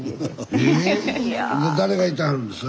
ええ？で誰がいてはるんですか？